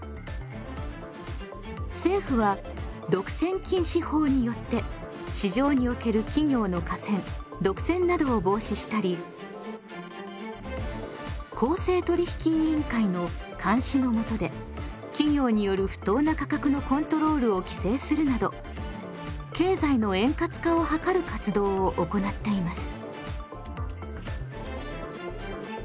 政府は独占禁止法によって市場における企業の寡占・独占などを防止したり公正取引委員会の監視の下で企業による不当な価格のコントロールを規制するなど経済の円滑化をはかる活動を行っています。